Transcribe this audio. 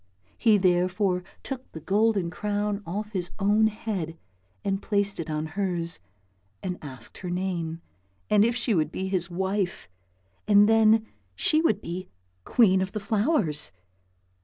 He therefore took the golden crown off his own head and placed it on hers, and asked her name, and if she would be his wife, and then she would be queen of the flowers!